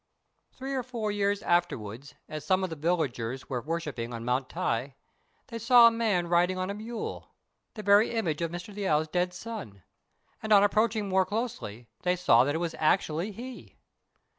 Three or four years afterwards, as some of the villagers were worshipping on Mount Tai, they saw a man riding on a mule, the very image of Mr. Liu's dead son; and, on approaching more closely, they saw that it was actually he.